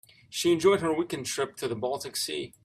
She enjoyed her weekend trip to the baltic sea.